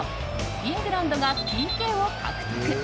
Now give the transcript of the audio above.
イングランドがＰＫを獲得。